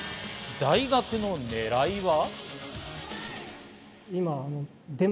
大学の狙いは。